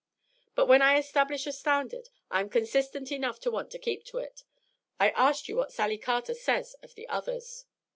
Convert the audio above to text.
But when I establish a standard I am consistent enough to want to keep to it. I asked you what Sally Carter says of the others."